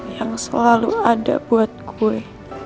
yang selalu ada buat gue